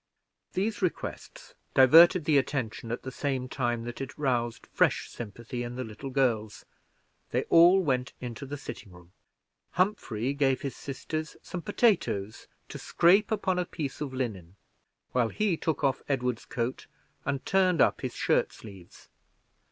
These requests diverted the attention, at the same time that it roused fresh sympathy in the little girls they all went into the sitting room. Humphrey gave his sisters some potatoes to scrape upon a piece of linen, while he took off Edward's coat, and turned up his shirt sleeves.